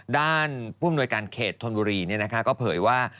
ด้านผู้อำนวยการเขตธนบุรีก็เผยว่า